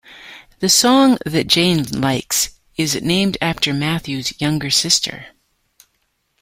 "The Song That Jane Likes" is named after Matthews' younger sister.